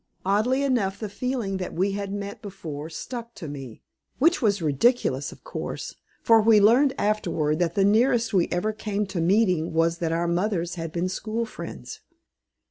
Oddly enough the feeling that we had met before stuck to me. Which was ridiculous, of course, for we learned afterward that the nearest we ever came to meeting was that our mothers had been school friends!